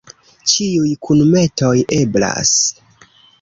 Ĉiuj kunmetoj eblas.